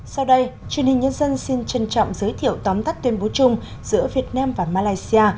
sau đây truyền hình nhân dân xin trân trọng giới thiệu tóm tắt tuyên bố chung giữa việt nam và malaysia